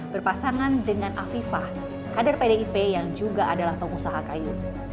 berpasangan dengan afifah kader pdip yang juga adalah pengusaha kayu